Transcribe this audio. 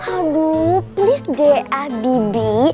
aduh please deh ah bibi